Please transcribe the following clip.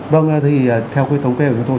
vâng thì theo cái thống kê của chúng tôi